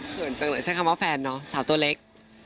ส่วนจังเลยใช้คำว่าแฟนเนาะสาวตัวเล็ก